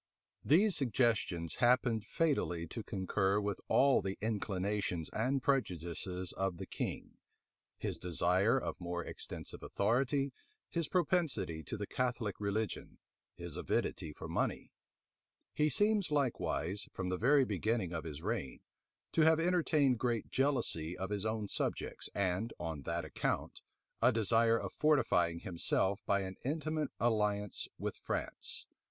These suggestions happened fatally to concur with all the inclinations and prejudices of the king; his desire of more extensive authority, his propensity to the Catholic religion, his avidity for money. He seems, likewise, from the very beginning of his reign, to have entertained great jealousy of his own subjects, and, on that account, a desire of fortifying himself by an intimate alliance with France.